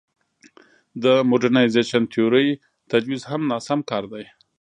د موډرنیزېشن تیورۍ تجویز هم ناسم کار دی.